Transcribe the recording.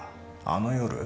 あの夜？